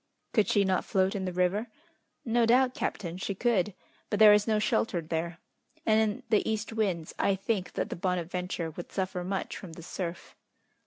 "Could she not float in the river?" "No doubt, captain, she could; but there is no shelter there, and in the east winds, I think that the Bonadventure would suffer much from the surf."